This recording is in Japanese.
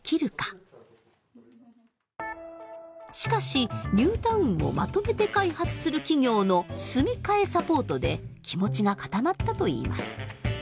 しかしニュータウンをまとめて開発する企業の住み替えサポートで気持ちが固まったといいます。